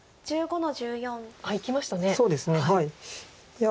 いや。